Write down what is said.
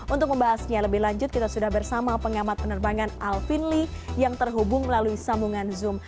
untuk membahasnya lebih lanjut kita sudah bersama pengamat penerbangan alvin lee yang terhubung melalui sambungan zoom